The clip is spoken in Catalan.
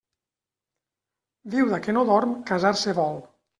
Viuda que no dorm, casar-se vol.